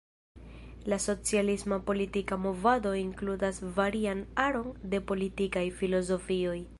La socialisma politika movado inkludas varian aron de politikaj filozofioj.